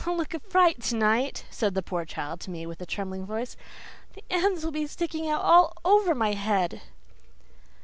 "I'll look like a fright tonight," said the poor child to me with trembling voice. "The ends will be sticking out all over my head."